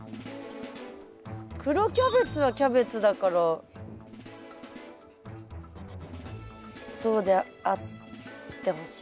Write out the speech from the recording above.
黒キャベツはキャベツだからそうであってほしい。